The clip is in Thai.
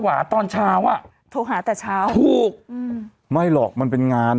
ว่าตอนเช้าอ่ะโทรหาแต่เช้าถูกอืมไม่หรอกมันเป็นงาน